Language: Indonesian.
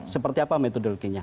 seperti apa metodologinya